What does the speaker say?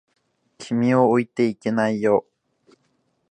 君を置いていけないよ。